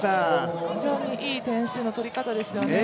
非常にいい点数の取り方ですよね。